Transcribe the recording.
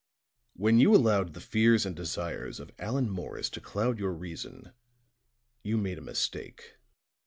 "When you allowed the fears and desires of Allan Morris to cloud your reason, you made a mistake.